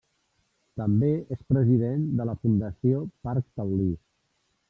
També és president de la Fundació Parc Taulí.